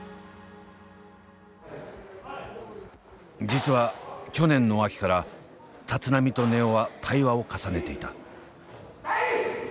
実は去年の秋から立浪と根尾は対話を重ねていた。